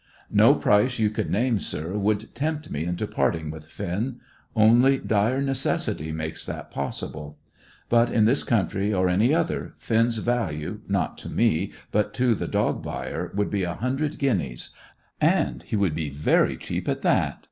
"No price you could name, sir, would tempt me into parting with Finn; only dire necessity makes that possible. But, in this country or any other, Finn's value, not to me, but to the dog buyer, would be a hundred guineas; and he would be very cheap at that.